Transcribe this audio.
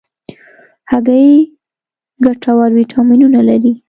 هګۍ ګټور ویټامینونه لري.